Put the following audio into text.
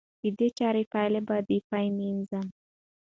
د دې چارې پايلې به د فيمينزم